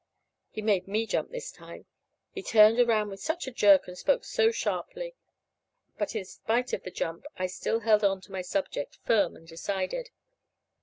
He made me jump this time, he turned around with such a jerk, and spoke so sharply. But in spite of the jump I still held on to my subject, firm and decided.